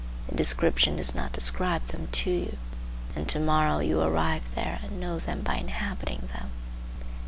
The description does not describe them to you, and to morrow you arrive there and know them by inhabiting them.